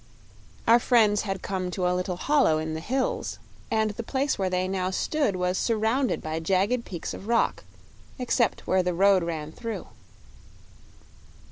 Our friends had come to a little hollow in the hills, and the place where they now stood was surrounded by jagged peaks of rock, except where the road ran through.